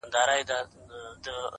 لوړ هدف لویه انرژي زېږوي,